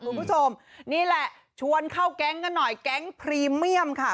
คุณผู้ชมนี่แหละชวนเข้าแก๊งกันหน่อยแก๊งพรีเมียมค่ะ